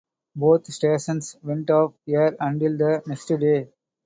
Both stations went off air until the next day.